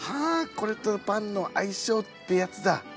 これとパンの相性ってやつだ。